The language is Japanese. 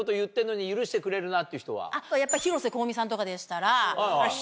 やっぱり広瀬香美さんとかでしたら。